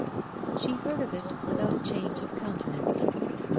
She heard of it without a change of countenance.